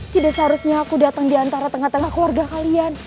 tidak seharusnya aku datang di antara tengah tengah keluarga kalian